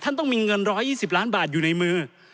ต้องมีเงิน๑๒๐ล้านบาทอยู่ในมือ